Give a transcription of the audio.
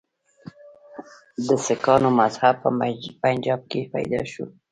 د سکانو مذهب په پنجاب کې پیدا شو.